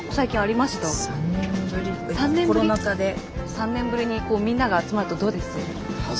３年ぶりにみんなが集まるとどうです？